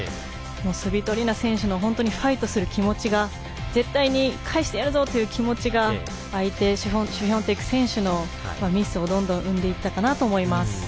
スビトリーナ選手のファイトする気持ちが絶対に返してやるぞ！という気持ちが相手のシフィオンテク選手のミスをどんどん生んでいったかなと思います。